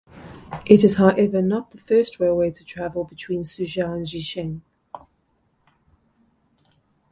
It is however not the first railway to travel between Suzhou and Jiaxing.